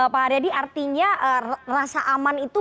pak haryadi artinya rasa aman itu